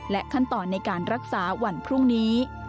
ขั้นตอนในการรักษาวันพรุ่งนี้